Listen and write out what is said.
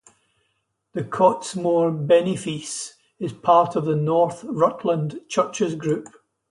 The Cottesmore Benefice is part of the North Rutland Churches group.